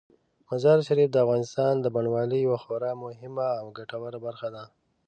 مزارشریف د افغانستان د بڼوالۍ یوه خورا مهمه او ګټوره برخه ده.